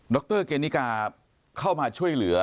รเกณฑิกาเข้ามาช่วยเหลือ